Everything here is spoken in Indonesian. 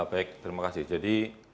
baik terima kasih jadi